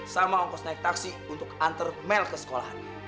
sama ongkos naik taksi untuk antar mel ke sekolah